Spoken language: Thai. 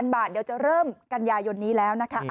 บาทเดี๋ยวจะเริ่มกันยายนนี้แล้วนะคะ